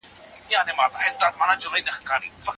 راځئ چي د هغوی ارمانونه پوره کړو.